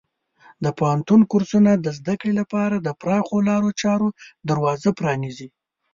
د پوهنتون کورسونه د زده کړې لپاره د پراخو لارو چارو دروازه پرانیزي.